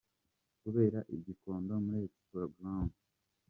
kubera i Gikondo muri Expo Ground.